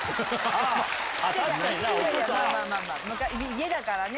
家だからね。